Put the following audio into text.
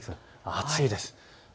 暑いです。